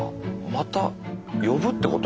また呼ぶってこと？